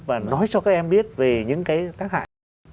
và nói cho các em biết về những cái tác hại